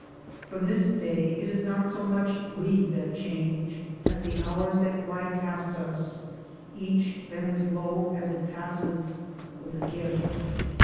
From this day it is not so much we that change, as the hours that glide past us ; each bends low as it passes with a gift.